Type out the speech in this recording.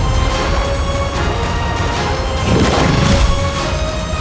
kita juga tidak